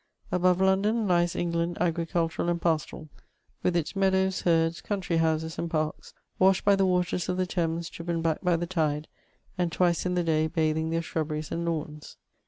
Above London, lies England agricultural and pastoral, with its meadows, herds, counti^ houses, and parks, washed by the waters of the Thames driven back by the tide, and twice in the day bathing their shrubberies and lawns.